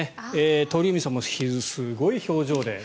鳥海さんもすごい表情で。